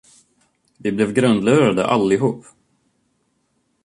Vi blev grundlurade, allihop.